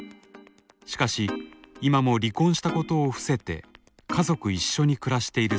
しかし今も離婚したことを伏せて家族一緒に暮らしているそうです。